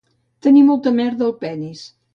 Tenir molta merda al penis